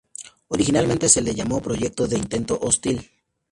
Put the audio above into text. Originalmente se le llamó "proyecto de intento hostil".